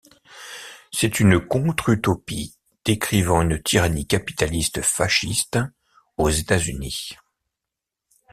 C'est une contre-utopie décrivant une tyrannie capitaliste fasciste aux États-Unis.